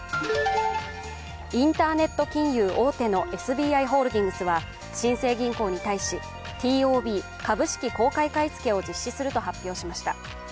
インターネット金融大手のＳＢＩホールディングスは新生銀行に対しＴＯＢ＝株式公開買い付けを実施すると発表しました。